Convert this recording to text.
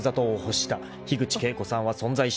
［樋口景子さんは存在しない］